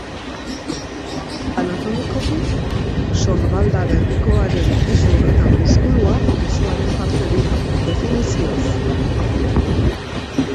Anatomikoki sorbalda-gerrikoaren hezur eta muskulua besoaren parte dira, definizioz.